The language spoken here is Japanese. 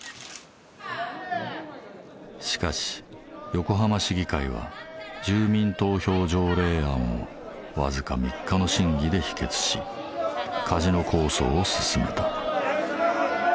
しかし横浜市議会は住民投票条例案をわずか３日の審議で否決しカジノ構想を進めた。